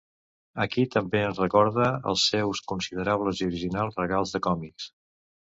Aquí també ens recorda els seus considerables i originals regals de còmics.